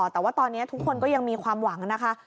แต่ว่าตอนนี้ทุกคนก็ยังมีความหวังนะคะ